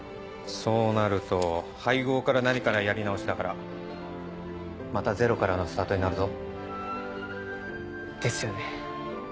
そうなると配合から何からやり直しだからまたゼロからのスタートになるぞ。ですよね。